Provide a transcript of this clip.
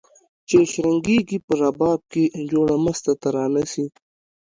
چي شرنګیږي په رباب کي جوړه مسته ترانه سي